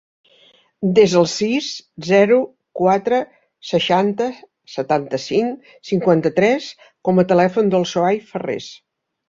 Desa el sis, zero, quatre, seixanta, setanta-cinc, cinquanta-tres com a telèfon del Sohaib Ferres.